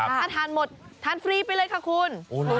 ถ้าทานหมดทานฟรีไปเลยค่ะคุณ